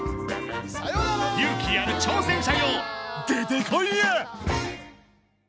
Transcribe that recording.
勇気ある挑戦者よ出てこいや！